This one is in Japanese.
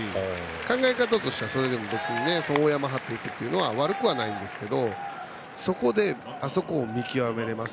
考え方としてはそこでヤマを張るというのは悪くはないんですけどそこで、あそこを見極められます